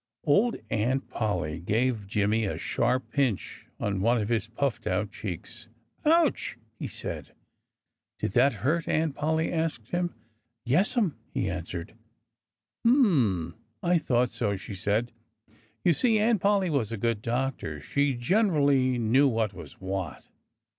Old Aunt Polly gave Jimmy a sharp pinch on one of his puffed out cheeks. "Ouch!" he said. "Did that hurt?" Aunt Polly asked him. "Yessum!" he answered. "Hm I thought so!" she said. You see, Aunt Polly was a good doctor. She generally knew what was what.